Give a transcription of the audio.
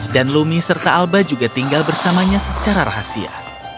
dan lumi serta alba juga tinggal bersamanya secara rahasia